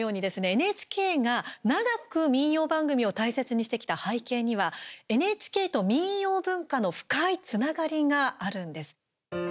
ＮＨＫが長く民謡番組を大切にしてきた背景にはＮＨＫと民謡文化の深いつながりがあるんです。